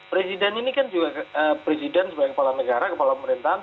presiden ini kan juga presiden sebagai kepala negara kepala pemerintahan